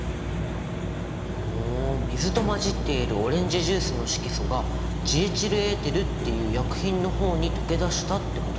ほう水と混じっているオレンジジュースの色素がジエチルエーテルっていう薬品の方に溶け出したってことだよね。